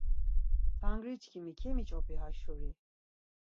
Tangri çkimi kemiç̌opi ha şuri.